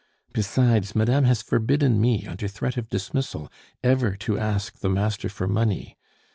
Besides, madame has forbidden me, under threat of dismissal, ever to ask the master for money.